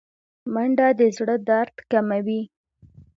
منډه د زړه درد کموي